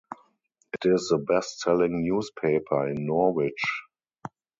It is the best-selling newspaper in Norwich.